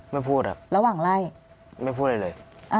ไม่พูดครับไม่พูดอะไรเลย